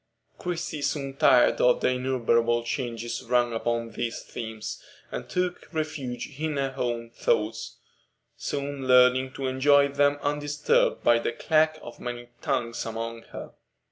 Christie soon tired of the innumerable changes rung upon these themes, and took refuge in her own thoughts, soon learning to enjoy them undisturbed by the clack of many tongues about her.